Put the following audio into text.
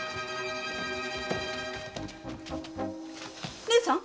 義姉さん？